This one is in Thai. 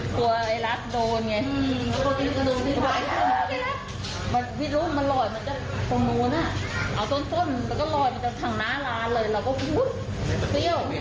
ตรงโน้นเอาต้นแล้วก็ลอยมาทางหน้าร้านเลยแล้วก็คลิ้ว